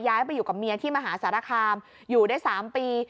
ไปอยู่กับเมียที่มหาสารคามอยู่ได้๓ปี